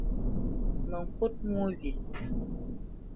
Mə ŋkút mwô wye!